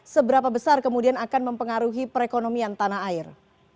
seberapa besar kemudian akan mempengaruhi perekonomian tanah air